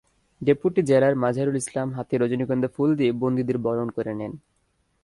Deputy jailer Mazaharul Islam হাতে রজনীগন্ধা ফুল দিয়ে বন্দীদের বরণ করে নেন।